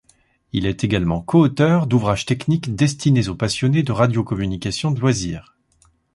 Il est également coauteur d'ouvrages techniques destinés aux passionnés de radiocommunications de loisirs.